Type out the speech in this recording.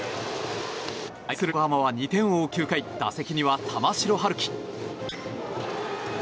対する横浜は２点を追う９回打席には玉城陽希。